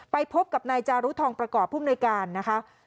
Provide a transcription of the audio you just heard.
ไปพบกับนายจารุทองประกอบภูมิโนยาการ